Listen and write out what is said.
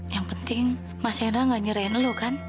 yang penting mas hendra nggak nyerahin lu kan